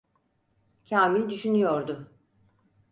Kamil düşünüyordu: